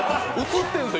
映ってるぞ！